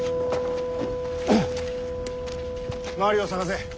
周りを探せ。